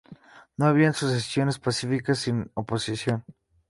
No habían sucesiones pacíficas sin oposición.